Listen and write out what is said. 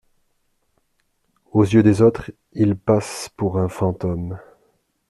Aux yeux des autres, il passe pour un fantôme.